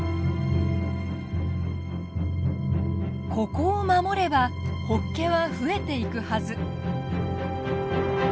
ここを守ればホッケは増えていくはず。